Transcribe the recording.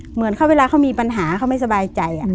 เหมือนเขาเวลาเขามีปัญหาเขาไม่สบายใจ